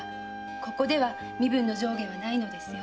ここでは身分の上下はないのですよ。